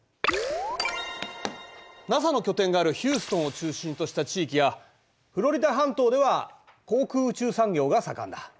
ＮＡＳＡの拠点があるヒューストンを中心とした地域やフロリダ半島では航空宇宙産業が盛んだ。